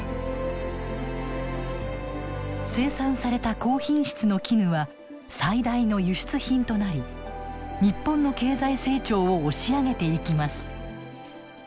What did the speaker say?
生産された高品質の絹は最大の輸出品となり日本の経済成長を押し上げていきます。